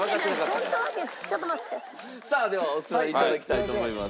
さあではお座りいただきたいと思います。